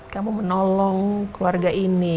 kamu menolong keluarga ini